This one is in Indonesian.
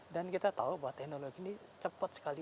dan kita tahu bahwa teknologi ini cepat sekali